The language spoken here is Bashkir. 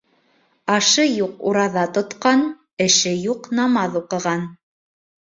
Ашы юҡ ураҙа тотҡан, эше юҡ намаҙ уҡыған.